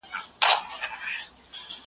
چي تعلیم وکړي ښه راتلونکي به ولری .